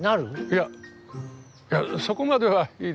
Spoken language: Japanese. いやいやそこまではいいです。